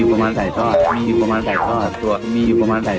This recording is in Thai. เลข๒ตัวผมมีอยู่ประมาณ๘ตัว